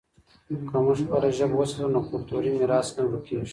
که موږ خپله ژبه وساتو، نو کلتوري میراث نه ورکېږي.